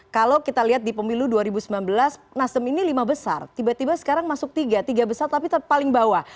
kalau kita lihat di pemilu dua ribu sembilan belas nasdem ini lima besar tiba tiba sekarang masuk tiga tiga besar tapi paling bawah